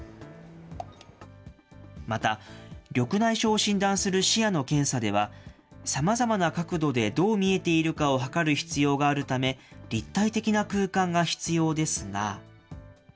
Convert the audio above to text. また、緑内障を診断する視野の検査では、さまざまな角度でどう見えているかを測る必要があるため、立体的な空間が必要ですが。